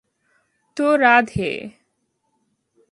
তো, রাধে।